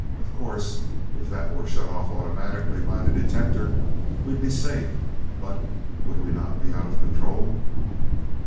Of course, if that were shut off automatically by the detector, we'd be safe; but would we not be out of control?"